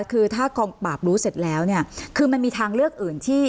คือถ้ากองปราบรู้เสร็จแล้วเนี่ยคือมันมีทางเลือกอื่นที่